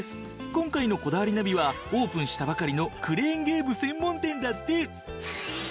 今回の『こだわりナビ』はオープンしたばかりのクレーンゲーム専門店だって。